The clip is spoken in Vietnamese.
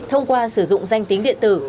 thông qua sử dụng danh tính điện tử